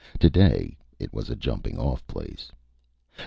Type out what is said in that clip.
Today it was a jumping off place.